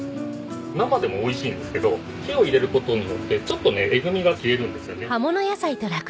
生でもおいしいんですけど火を入れる事によってちょっとねえぐみが消えるんですよね。